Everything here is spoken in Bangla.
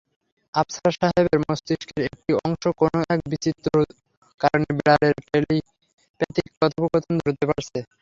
আফসার সাহেবের মস্তিষ্কের একটি অংশ কোনো এক বিচিত্র কারণে বিড়ালের টেলিপ্যাথিক কথোপকথন ধরতে পারছে।